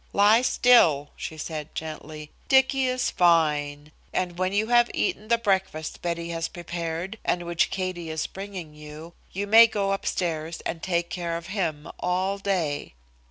"Lie still," she said gently. "Dicky is fine, and when you have eaten the breakfast Betty has prepared and which Katie is bringing you, you may go upstairs and take care of him all day."